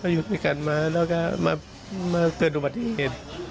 ยุดไปกันแล้วก็มาเตือนสู่ประเทศ